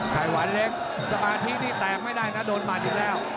ไข่หวานเล็กสมาธินี่แตกไม่ได้นะโดนหมัดอีกแล้ว